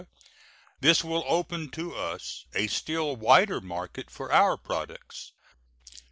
This will open to us a still wider market for our products.